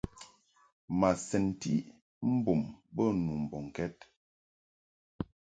Ma sɛnti mbum bə nu mbɔŋkɛd.